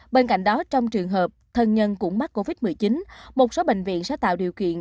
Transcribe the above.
bên cạnh đó trong trường hợp thân nhân cũng mắc covid một mươi chín một số bệnh viện sẽ tạo điều kiện